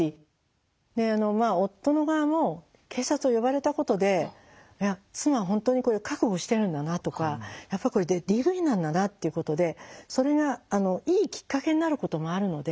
まあ夫の側も警察を呼ばれたことで妻は本当にこれ覚悟してるんだなとかやっぱりこれＤＶなんだなっていうことでそれがいいきっかけになることもあるので。